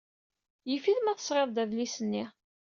Yif-it ma tesɣid-d adlis-nni.